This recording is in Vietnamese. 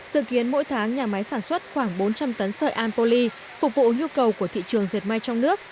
dự kiến mỗi tháng nhà máy sản xuất khoảng bốn trăm linh tấn sợi anpoly phục vụ nhu cầu của thị trường diệt may trong nước